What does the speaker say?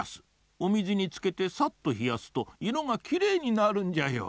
お水につけてさっとひやすと色がきれいになるんじゃよ。